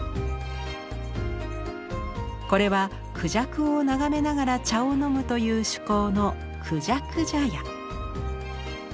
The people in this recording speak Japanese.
これは孔雀を眺めながら茶を飲むという趣向の孔雀茶屋。